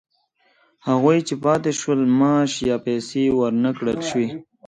هغوی چې پاتې شول معاش یا پیسې ورنه کړل شوې